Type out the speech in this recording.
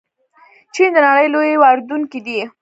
چین د نړۍ لوی واردونکی دی.